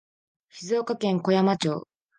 静岡県小山町